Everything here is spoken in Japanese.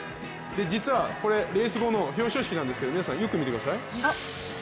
実はレース後の表彰式なんですけれども、皆さんよく見てください。